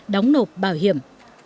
đóng nộp bảo hiểm